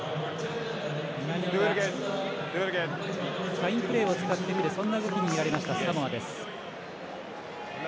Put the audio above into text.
サインプレーを使ってくるそんな動きに見えましたサモアです。